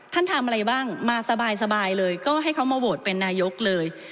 ท่านทำอะไรบ้างมาสบายสบายเลยก็ให้เขามาโบสถ์เป็นนายกเลย